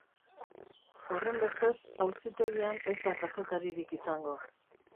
Horrenbestez, auzitegian ez da kazetaririk izango.